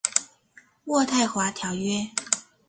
渥太华条约。